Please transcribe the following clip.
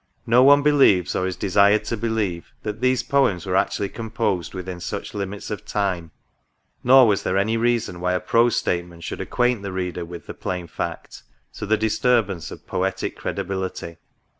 No one believes, or is desired to believe, that these Poems were actually composed within such limits of time, nor was D 3 38 POSTSCRIPT. there any reason why a prose statement should acquaint the Reader with the plain fact, to the disturbance of poetic cre dibihty.